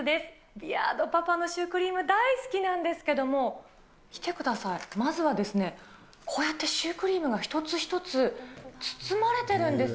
ビアードパパのシュークリーム大好きなんですけれども、見てください、先ずはこうやってシュークリームが一つ一つ包まれてるんです。